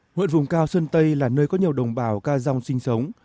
huyện vùng cao sơn tây là nơi có nhiều đồng bào ca dòng sinh sống